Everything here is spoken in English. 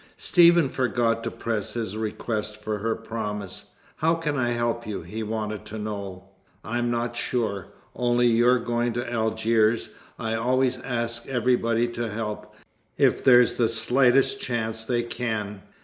Stephen forgot to press his request for her promise. "How can I help you?" he wanted to know. "I'm not sure. Only, you're going to Algiers. I always ask everybody to help, if there's the slightest chance they can."